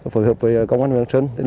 phối hợp với công an huyện hương sơn